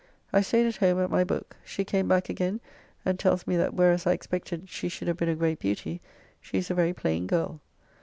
I staid at home at my book; she came back again and tells me that whereas I expected she should have been a great beauty, she is a very plain girl.